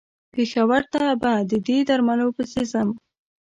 پېښور ته به د دې درملو پسې ځم.